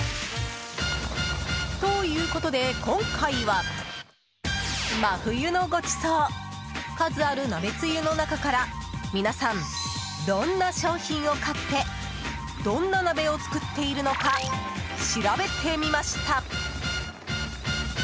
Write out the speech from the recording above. ということで今回は真冬のごちそう数ある鍋つゆの中から皆さんどんな商品を買ってどんな鍋を作っているのか調べてみました。